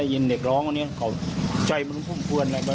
โดยสัญญาณของมนุษย์เนี่ยนะผมว่าสัตว์ยังรักลูกเลยนะ